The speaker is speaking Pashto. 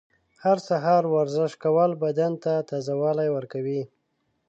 هر سهار ورزش کول بدن ته تازه والی ورکوي.